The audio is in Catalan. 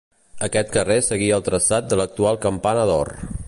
Aquest carrer seguia el traçat de l'actual Campana d'Or.